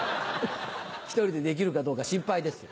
１人でできるかどうか心配ですよ。